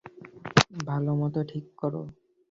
ভালোমত ঠিক কর।